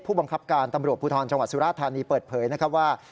ผู้บังคับการตำรวจภูทรจังหวัดสุราธานีเปิดเผยนะครับว่า